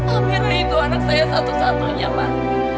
amira itu anak saya satu satunya mas